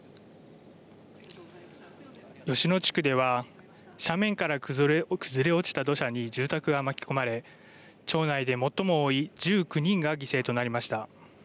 吉野地区では斜面から崩れ落ちた土砂に住宅が巻き込まれ町内で最も多い１９人が犠牲となりました。